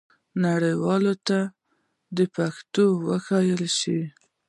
نړیوالو ته دې پښتو وښودل سي.